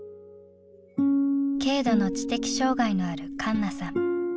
軽度の知的障害のある栞奈さん。